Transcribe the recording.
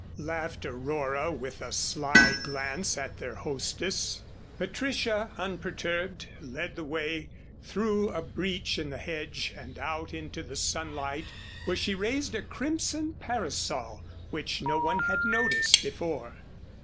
laughed Aurora, with a sly glance at their hostess. Patricia, unperturbed, led the way through a breach in the hedge and out into the sunlight where she raised a crimson parasol, which no one had noticed before.